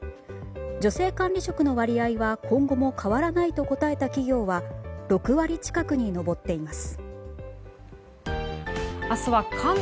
女性管理職の割合は今後も変わらないと答えた企業は６割近くに上っています。